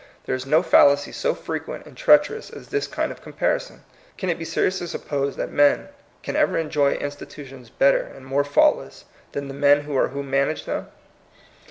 There is no fallacy so frequent and treacherous as this kind of comparison. Can it be seri ously supposed that men can ever enjoy institutions better and more faultless than . the men are who manage them?